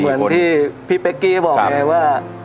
เหมือนที่พี่เป๊กกี้บอกไงว่า